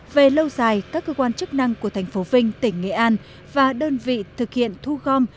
về lâu dài các cơ quan chức năng của thành phố vinh tỉnh nghệ an và đơn vị thực hiện thu gom